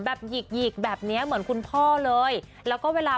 หยิกหยิกแบบเนี้ยเหมือนคุณพ่อเลยแล้วก็เวลา